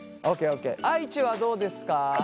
愛知はどうですか？